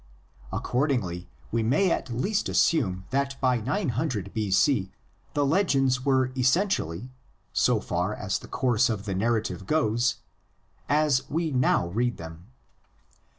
Accordingly we may at least assume that by 900 B.C. the legends were essentially, so far as the course of the narrative goes, as we now read them.